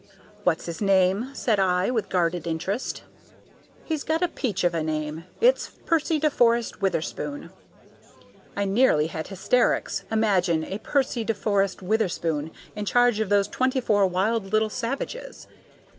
"What's his name?" said I, with guarded interest. "He's got a peach of a name. It's Percy de Forest Witherspoon." I nearly had hysterics. Imagine a Percy de Forest Witherspoon in charge of those twenty four wild little savages!